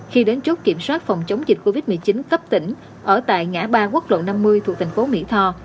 khi đến chốt kiểm soát phòng chống dịch covid một mươi chín cấp tỉnh ở tại ngã ba quốc lộ năm mươi thuộc thành phố mỹ tho